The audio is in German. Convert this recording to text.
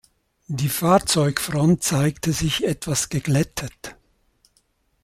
Die Fahrzeugfront zeigte sich etwas geglättet.